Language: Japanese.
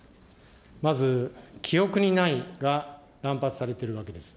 まず、記憶にないが乱発されてるわけです。